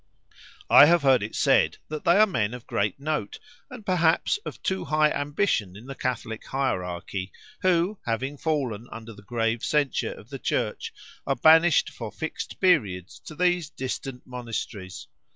I have heard it said that they are men of great note, and, perhaps, of too high ambition in the Catholic Hierarchy, who having fallen under the grave censure of the Church, are banished for fixed periods to these distant monasteries.